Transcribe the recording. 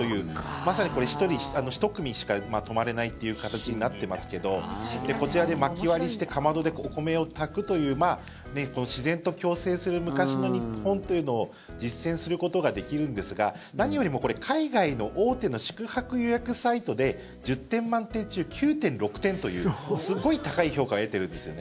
まさに１組しか泊まれないという形になってますけどこちらで、まき割りしてかまどでお米を炊くという自然と共生する昔の日本というのを実践することができるんですが何よりも海外の大手の宿泊予約サイトで１０点満点中９．６点というすごい高い評価を得てるんですよね。